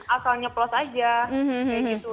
asalnya plus aja kayak gitu